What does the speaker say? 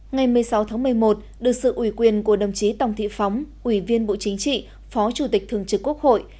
ngày một mươi sáu tháng một mươi một được sự ủy quyền của đồng chí tòng thị phóng ủy viên bộ chính trị phó chủ tịch thường trực quốc hội